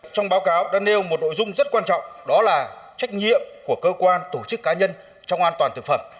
trong báo cáo đã nêu một nội dung rất quan trọng đó là trách nhiệm của cơ quan tổ chức cá nhân trong an toàn thực phẩm